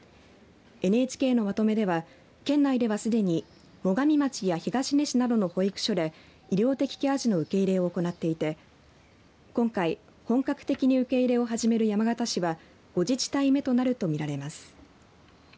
ＮＨＫのまとめでは県内では、すでに最上町や東根市などの保育所で医療的ケア児の受け入れを行っていて今回、本格的に受け入れを始める山形市は５自治体目になるとみられます。